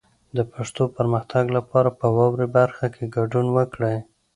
د پښتو پرمختګ لپاره په واورئ برخه کې ګډون وکړئ.